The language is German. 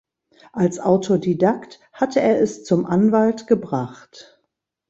Als Autodidakt hatte er es zum Anwalt gebracht.